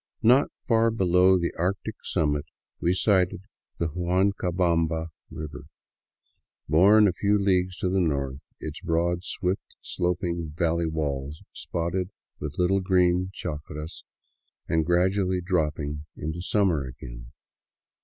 Not far below the arctic summit we sighted the Huancabamba river, born a few leagues to the north, its broad, swift sloping valley walls spotted with little green chacras, and gradually dropped into summer again.